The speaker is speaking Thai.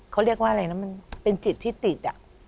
เขาเรียกว่าอะไรนะมันเป็นจิตที่ติด